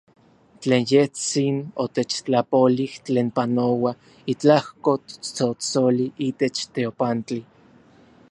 Tlen yejtsin otechtlapolij, tlen panoua itlajko tsotsoli itech teopantli.